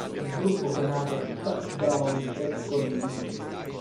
Il gruppo, chiamato "Touchdown Jacksonville!